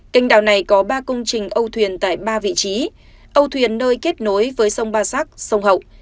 kênh đảo này có ba công trình âu thuyền tại ba vị trí âu thuyền nơi kết nối với sông ba sắc sông hậu